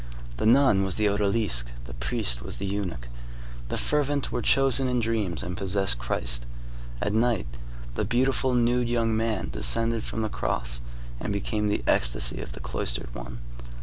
The nun was the odalisque, the priest was the eunuch. The fervent were chosen in dreams and possessed Christ. At night, the beautiful, nude young man descended from the cross and became the ecstasy of the cloistered one.